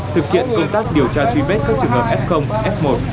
thực hiện công tác điều tra truy vết các trường hợp f f một